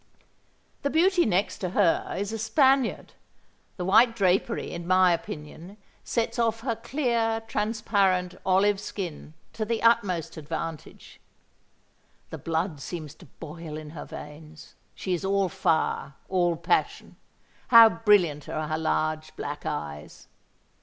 "The beauty next to her is a Spaniard. The white drapery, in my opinion, sets off her clear, transparent, olive skin, to the utmost advantage. The blood seems to boil in her veins: she is all fire—all passion. How brilliant are her large black eyes!